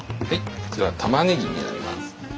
こちらはたまねぎになります。